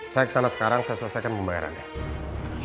saya kesana sekarang saya selesaikan pembayarannya